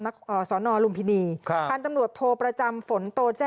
นักสอนอลุมพินีพำโปรประจำฝนโตแจ้ง